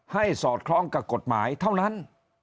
สอดคล้องกับกฎหมายเท่านั้น